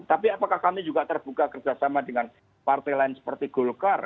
tapi apakah kami juga terbuka kerjasama dengan partai lain seperti golkar